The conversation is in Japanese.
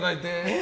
え！